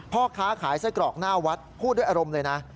พ่อค้าขายไส้กรอกหน้าวัดพูดด้วยอารมณ์เลยนะ